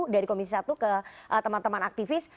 dari komisi satu ke teman teman aktivis